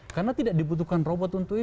karena tidak dibutuhkan robot untuk itu